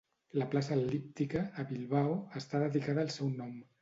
La Plaça El·líptica, a Bilbao, està dedicada al seu nom.